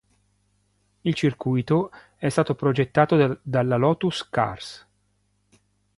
Il circuito è stato progettato dalla Lotus Cars.